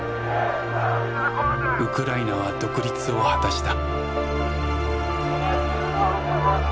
ウクライナは独立を果たした。